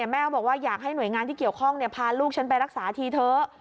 แม่ก็บอกว่าอยากให้หน่วยงานที่เกี่ยวข้องพาลูกฉันไปรักษาทีเถอะ